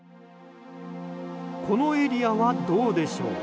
このエリアはどうでしょう。